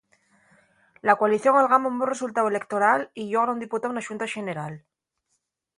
La coalición algama un bon resultáu eleutoral y llogra un diputáu na Xunta Xeneral.